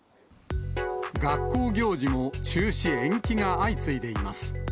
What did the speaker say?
学校行事も中止・延期が相次いでいます。